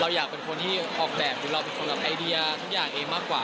อยากเป็นคนที่ออกแบบหรือเราเป็นคนแบบไอเดียทุกอย่างเองมากกว่า